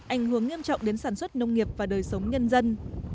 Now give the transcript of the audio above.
ảnh hưởng nghiêm trọng đến sản xuất nông nghiệp và đời sống nhân dân